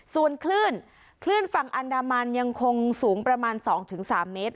ส่วนคลื่นคลื่นฝั่งอันดามันยังคงสูงประมาณ๒๓เมตร